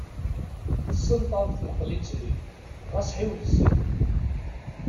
Tessenṭaḍ tmeqlit-nni, ɣas ḥiwel zzit.